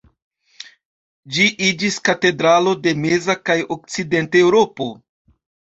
Ĝi iĝis katedralo de meza kaj okcidenta Eŭropo.